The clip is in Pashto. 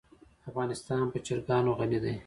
افغانستان په چرګان غني دی.